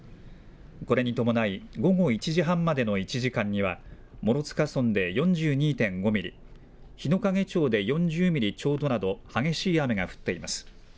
これに伴い、午後１時半までの１時間には、諸塚村で４２．５ミリ、日之影町で４０ミリちょうどなど、激しい雨が降っています。